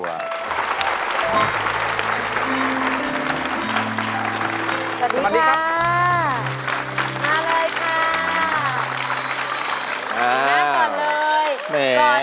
สวัสดีค่ะมาเลยค่ะ